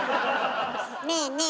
ねえねえ